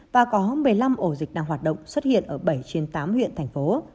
và có một mươi năm ổ dịch đang hoạt động xuất hiện ở bảy trên tám huyện thành phố